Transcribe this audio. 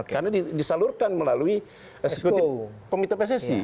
karena disalurkan melalui komite pssi